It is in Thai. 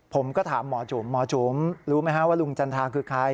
ผมก็ถามหมอจุ๋มหมอจุ๋มรู้ไหมฮะว่าลุงจันทราคือใคร